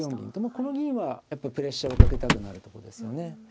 この銀はやっぱりプレッシャーをかけたくなるとこですよね。